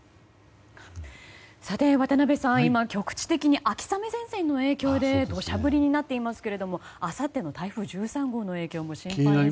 渡辺さん、今、局地的に秋雨前線の影響で土砂降りになっていますけれどもあさっての台風１３号の影響も心配ですよね。